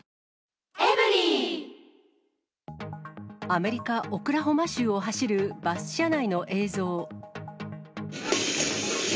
アメリカ・オクラホマ州を走るバス車内の映像。